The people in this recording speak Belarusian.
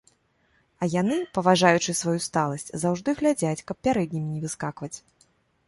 А яны, паважаючы сваю сталасць, заўжды глядзяць, каб пярэднімі не выскакваць.